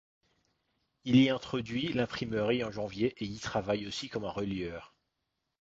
Il y introduit l'imprimerie en janvier et y travaille aussi comme relieur.